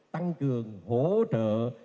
tăng cường hỗ trợ